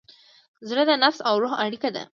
زړه د نفس او روح اړیکه ده.